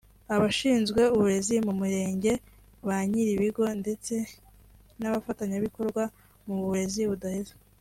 abashinzwe uburezi mu mirenge ba nyir’ibigo ndetse n’abafatanyabikorwa mu burezi budaheza